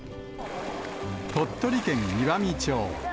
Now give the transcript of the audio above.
鳥取県岩美町。